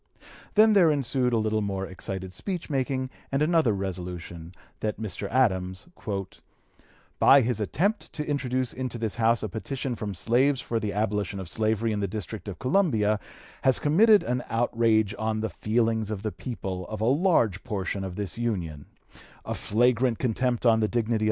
Then there ensued a little more excited speech making and another resolution, that Mr. Adams, "by his attempt to introduce into this House a petition from slaves for the abolition of slavery in the District of Columbia, has committed an outrage on the feelings of the people of a large portion of this Union; a flagrant contempt on the dignity (p.